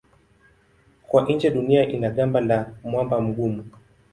Kwa nje Dunia ina gamba la mwamba mgumu.